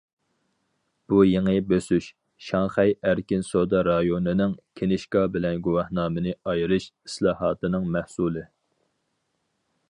بۇ يېڭى بۆسۈش، شاڭخەي ئەركىن سودا رايونىنىڭ« كىنىشكا بىلەن گۇۋاھنامىنى ئايرىش» ئىسلاھاتىنىڭ مەھسۇلى.